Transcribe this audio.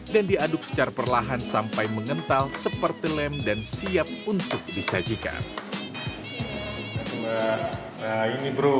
dan diaduk secara perlahan sampai mengental seperti lem dan siap untuk disajikan ini bro